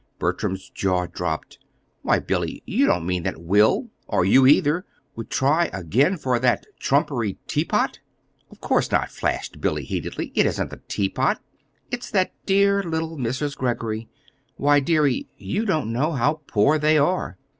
Bertram's jaw dropped. "Why, Billy, you don't mean that Will, or you either, would try again for that trumpery teapot!" "Of course not," flashed Billy, heatedly. "It isn't the teapot it's that dear little Mrs. Greggory. Why, dearie, you don't know how poor they are!